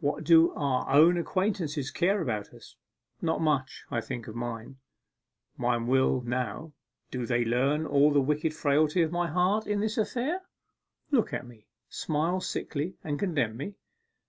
What do our own acquaintances care about us? Not much. I think of mine. Mine will now (do they learn all the wicked frailty of my heart in this affair) look at me, smile sickly, and condemn me.